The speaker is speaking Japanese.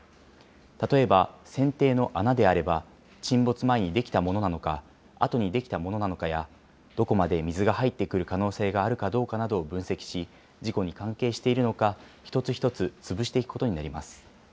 例えば船底の穴であれば、沈没前に出来たものなのか、あとに出来たものなのかや、どこまで水が入ってくる可能性があるかどうかなどを分析し、事故に関係しているのか、一つ一つ潰していくことになります。